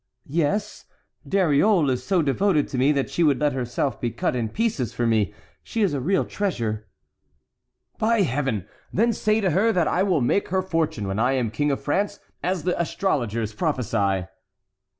"Yes, Dariole is so devoted to me that she would let herself be cut in pieces for me; she is a real treasure." "By Heaven! then say to her that I will make her fortune when I am King of France, as the astrologers prophesy."